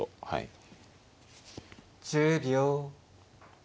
はい。